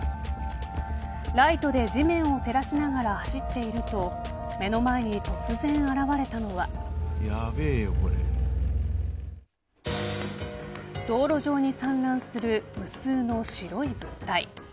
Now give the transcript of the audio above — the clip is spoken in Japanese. ライトで地面を照らしながら走っていると道路上に散乱する無数の白い物体。